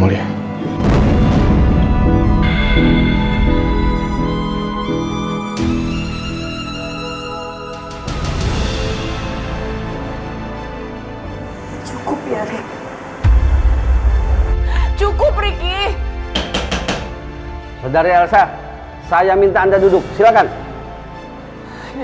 sampai jumpa di video selanjutnya